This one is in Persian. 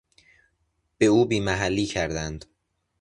به او بیمحلی کردند